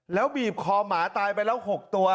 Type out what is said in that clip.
แล้วบีบคอหมาตายไปแล้ว๖ตัว